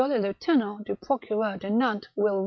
le Lieutenant du Procureur de Nantes will read."